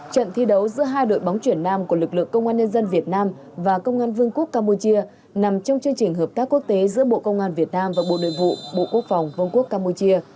trận thi đấu giữa hai đội bóng chuyển nam của lực lượng công an nhân dân việt nam và công an vương quốc campuchia nằm trong chương trình hợp tác quốc tế giữa bộ công an việt nam và bộ nội vụ bộ quốc phòng vương quốc campuchia